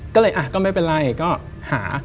ก็เลยก็ไม่เป็นไรก็หา